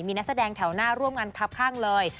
มีนักแสดงแถวหน้าร่วมงานครับข้างเลย